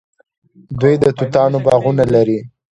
دوی د توتانو باغونه لري.